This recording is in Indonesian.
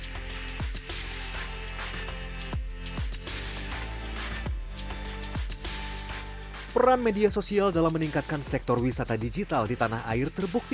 seperti contohnya ada google jadi google review jadi sebelum kita mencari atau ingin datang ke tempat wisata kita cukup searching di google